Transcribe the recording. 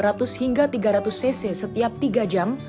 minum air sebanyak dua ratus hingga tiga ratus cc setiap tiga jam